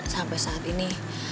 sampai saat ini